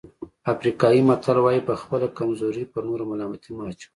افریقایي متل وایي په خپله کمزوري پر نورو ملامتي مه اچوئ.